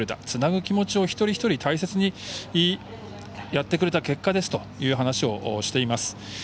つなぐ気持ちを全員大切にやってくれた結果ですという話をしています。